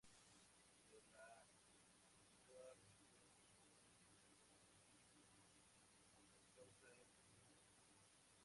Él y la escultora recibieron doctorados honoris causa en la misma ceremonia.